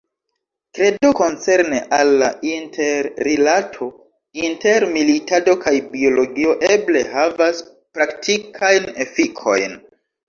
Kredo koncerne al la interrilato inter militado kaj biologio eble havas praktikajn efikojn.